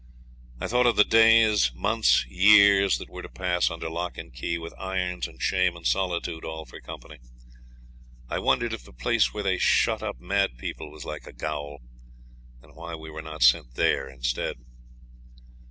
I thought of the days, months, years that were to pass under lock and key, with irons and shame and solitude all for company. I wondered if the place where they shut up mad people was like a gaol, and why we were not sent there instead.